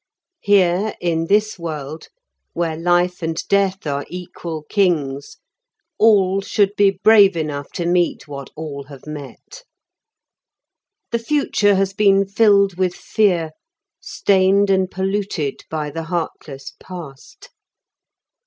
Here in this world, where life and death are equal kings, all should be brave enough to meet what all have met. The future has been filled with fear, stained and polluted by the heartless past.